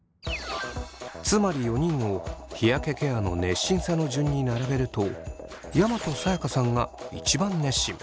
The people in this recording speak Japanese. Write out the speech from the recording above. つまり４人を日焼けケアの熱心さの順に並べると山戸さやかさんが一番熱心。